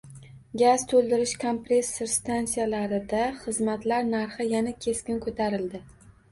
Gaz toʻldirish kompressor stansiyalarida xizmatlar narxi yana keskin koʻtarildi.